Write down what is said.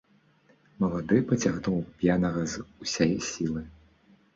Малады пацягнуў п'янага з усяе сілы.